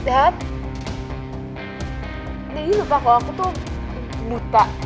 daddy lupa kalau aku tuh buta